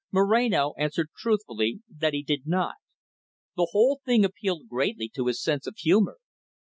Moreno answered truthfully that he did not. The whole thing appealed greatly to his sense of humour.